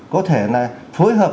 có thể là phối hợp